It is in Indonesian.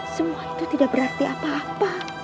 semua itu tidak berarti apa apa